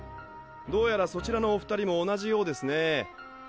どうやらそちらのお２人も同じようですね。